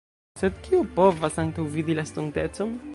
Sed kiu povas antaŭvidi la estontecon?